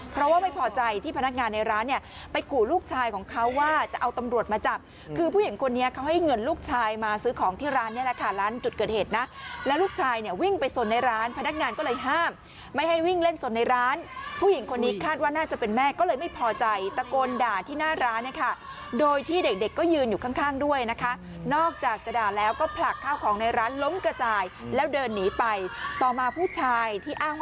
เพราะว่าไม่พอใจที่พนักงานในร้านเนี่ยไปกู่ลูกชายของเขาว่าจะเอาตำรวจมาจับคือผู้หญิงคนนี้เขาให้เงินลูกชายมาซื้อของที่ร้านเนี่ยแหละค่ะร้านจุดเกิดเหตุนะแล้วลูกชายเนี่ยวิ่งไปส่วนในร้านพนักงานก็เลยห้ามไม่ให้วิ่งเล่นส่วนในร้านผู้หญิงคนนี้คาดว่าน่าจะเป็นแม่ก็เลยไม่พอใจตะโกนด่าที่หน